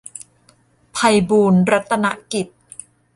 ไพบูลย์รัตนกิจ